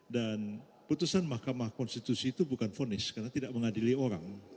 dan putusan mahkamah konstitusi itu bukan vonis karena tidak mengadili orang